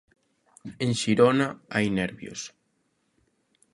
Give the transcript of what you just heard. En Xirona hai nervios.